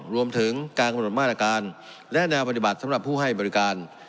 รวมถึงการกำหนดมาตรการและแนวปฏิบัติสำหรับผู้ให้บริการ